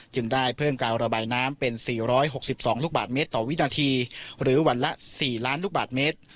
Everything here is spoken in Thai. จึงได้เพิ่มการระบายน้ำเป็น๔๖๒ลูกบาทเมตรต่อวินาทีหรือวันละ๔ล้านลูกบาทเมตร